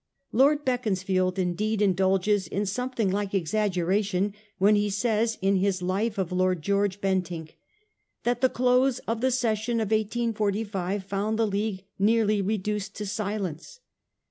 Lord Beaconsfield, indeed, indulges in something like exaggeration when tie says, in his ' Life of Lord George Bentinck,' that the close of the session of 1845 found the League nearly reduced to silence.